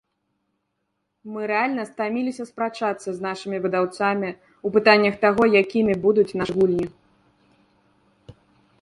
Мы рэальна стаміліся спрачацца з нашымі выдаўцамі ў пытаннях таго, якімі будуць нашы гульні.